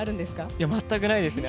いや、全くないですね。